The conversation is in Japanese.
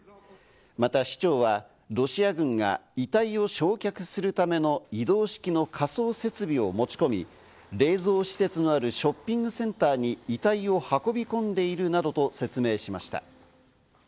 また、市長はロシア軍が遺体を焼却するための移動式の火葬設備を持ち込み、冷蔵施設のあるショッピングセンターに遺体を運び込んでいるなどと説明しました。